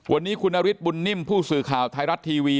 วันนี้คุณนฤทธบุญนิ่มผู้สื่อข่าวไทยรัฐทีวี